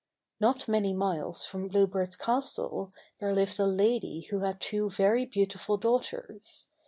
Not many miles from Blue Beard's castle, there lived a lady who had two very beautiful daughters.